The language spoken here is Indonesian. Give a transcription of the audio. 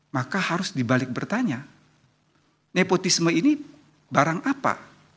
maka harus dibalik bertanya nepotisme ini barang apa